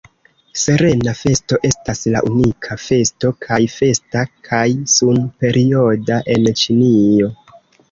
Serena Festo estas la unika festo kaj festa kaj sun-perioda en Ĉinio.